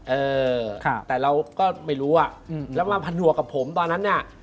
เออแต่เราก็ไม่รู้แล้วมันพันหัวกับผมตอนนั้น